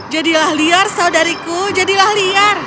jadilah liar saudariku jadilah liar